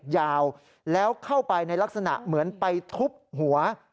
ยาวแล้วเข้าไปในลักษณะเหมือนไปทุบหัว